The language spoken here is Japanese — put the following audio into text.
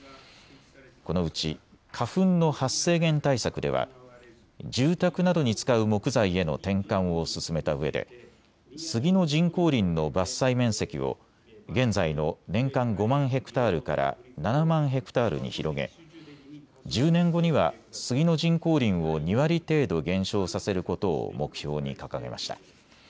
このうち花粉の発生源対策では住宅などに使う木材への転換を進めたうえでスギの人工林の伐採面積を現在の年間５万ヘクタールから７万ヘクタールに広げ１０年後にはスギの人工林を２割程度減少させることを目標に掲げました。